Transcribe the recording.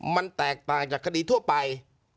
มันแตกต่างจากคดีทั่วไป